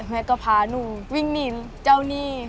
แม่ก็พาหนูวิ่งหนีเจ้าหนี้